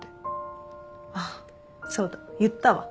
あっそうだ言ったわ。